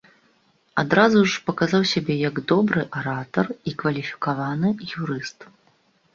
Адразу ж паказаў сябе як добры аратар і кваліфікаваны юрыст.